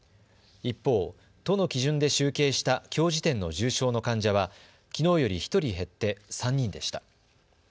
一方、都の基準で集計したきょう時点の重症の患者はきのうより１人減って３人でした。